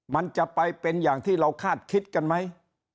มันจะไปเป็นอย่างที่เราคาดคิดกันไหม